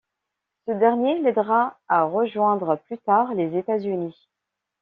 Ce dernier l’aidera à rejoindre plus tard les États–Unis.